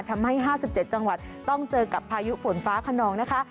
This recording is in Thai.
ทำให้๕๗จังหวัดต้องเจอกับพายุฝนฟ้าขนองนะคะ